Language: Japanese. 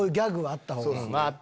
あったほうがいい。